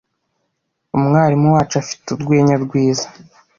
Umwarimu wacu afite urwenya rwiza.